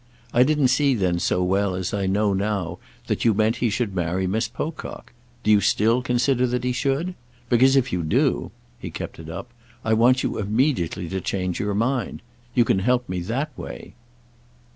I didn't see then so well as I know now that you meant he should marry Miss Pocock. Do you still consider that he should? Because if you do"—he kept it up—"I want you immediately to change your mind. You can help me that way."